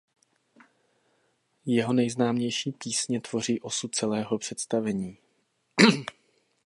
Jeho nejznámější písně tvoří osu celého představení.